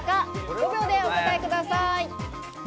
５秒でお答えください。